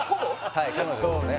はい彼女ですね